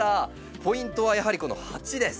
ポイントはやはりこの鉢です。